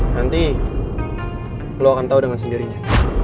nanti lo akan tahu dengan sendirinya